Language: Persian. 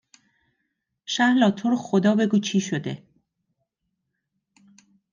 شهلا تو رو خدا بگو چی شده؟